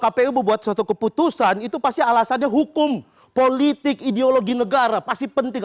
kpu membuat suatu keputusan itu pasti alasannya hukum politik ideologi negara pasti penting